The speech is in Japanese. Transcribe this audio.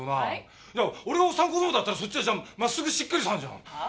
俺がおっさん子供だったらそっちはじゃあ真っすぐしっかりさんじゃん！